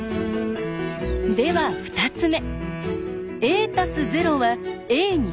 では２つ目。